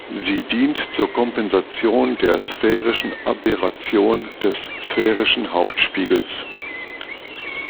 Sie dient zur Kompensation der sphärischen Aberration des sphärischen Hauptspiegels.